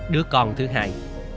đứa con thứ hai